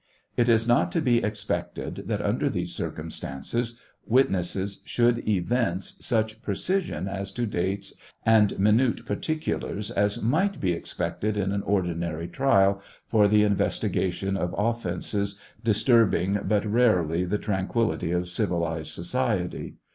It is not to be expected that, under these circumstances, witnesses should evince such precision as to dates and minute particulars as might be expected in an ordinary trial fot the investigation of offences disturbing but rarely the tran quillity of civilized society.